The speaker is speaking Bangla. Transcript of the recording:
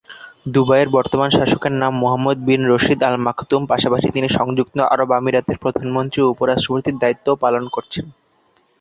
দুবাইয়ের বর্তমান শাসকের নাম মুহাম্মদ বিন রশীদ আল মাকতুম, পাশাপাশি তিনি সংযুক্ত আরব আমিরাতের প্রধানমন্ত্রী ও উপ-রাষ্ট্রপতির দায়িত্বও পালন করছেন।